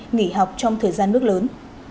nghỉ học trong thời gian nước lớn